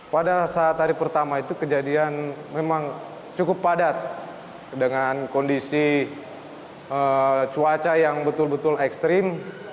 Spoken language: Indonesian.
pada saat hari pertama itu kejadian memang cukup padat dengan kondisi cuaca yang betul betul ekstrim